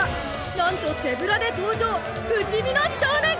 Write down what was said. なんと手ぶらで登場不死身の少年！